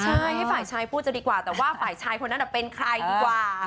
ใช่ให้ฝ่ายชายพูดจะดีกว่าแต่ว่าฝ่ายชายคนนั้นเป็นใครดีกว่า